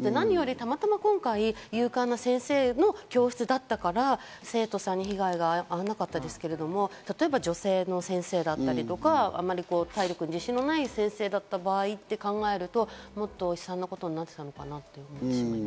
何より、たまたま今回、勇敢な先生の教室だったから生徒さんに被害がなかったですけど、例えば女性の先生だったり、あまり体力に自信のない先生だった場合と考えると、もっと悲惨なことになっていたのかなという気がします。